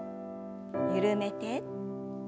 緩めて。